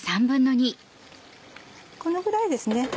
このぐらいですね